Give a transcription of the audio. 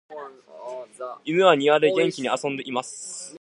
犬は庭で元気に遊んでいます。